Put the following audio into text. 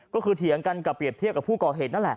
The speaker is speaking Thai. ก็คือเถียงกันกับโปรเมฆที่ปราดรูปกกกเหตุ